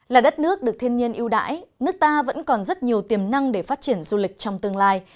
là đất nước được thiên nhiên yêu đái nước ta vẫn còn rất nhiều tiềm năng để phát triển du lịch trong tương lai